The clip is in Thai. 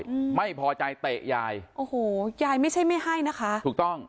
อืมไม่พอใจเตะยายโอ้โหยายไม่ใช่ไม่ให้นะคะถูกต้อง